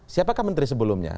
siapakah menteri sebelumnya